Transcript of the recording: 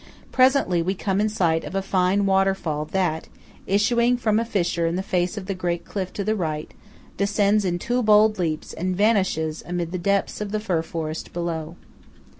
Presently we come in sight of a fine waterfall that, issuing from a fissure in the face of the great cliff to the right, descends in two bold leaps and vanishes amid the depths of the fir forest below.